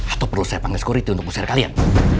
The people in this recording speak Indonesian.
atau perlu saya panggil sekuriti untuk usir kalian